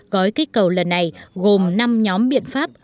gói kích cầu lần này gồm năm nhóm biện pháp